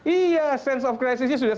iya sense of crisisnya sudah